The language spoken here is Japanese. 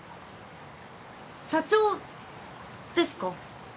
社長ですか？